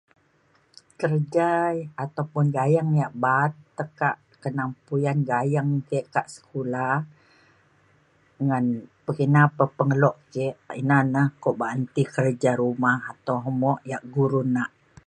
kerja ataupun gayeng yak ba’at tekak kenang puyan gayeng ke kak sekula ngan pekina pa pengelo ke ina na ko ba’an ti kerja rumah atau homework yak guru nak